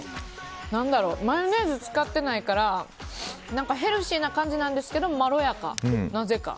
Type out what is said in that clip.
マヨネーズ使っていないからヘルシーな感じなんですけどまろやか、なぜか。